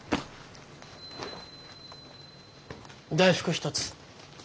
大福１つ。